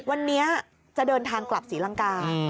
วันนี้จะเดินทางกลับศรีลังกา